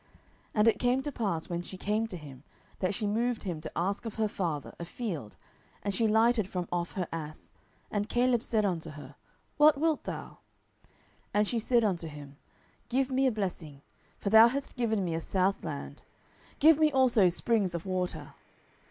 07:001:014 And it came to pass, when she came to him, that she moved him to ask of her father a field: and she lighted from off her ass; and Caleb said unto her, What wilt thou? 07:001:015 And she said unto him, Give me a blessing: for thou hast given me a south land; give me also springs of water.